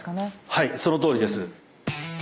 はいそのとおりです。